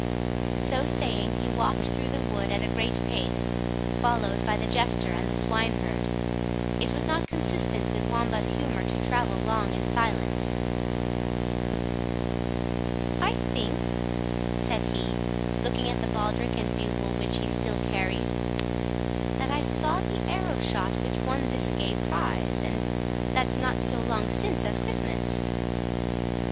So saying, he walked through the wood at a great pace, followed by the jester and the swineherd. It was not consistent with Wamba's humour to travel long in silence. "I think," said he, looking at the baldric and bugle which he still carried, "that I saw the arrow shot which won this gay prize, and that not so long since as Christmas."